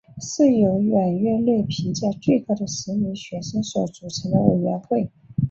是由远月内评价最高的十名学生所组成的委员会。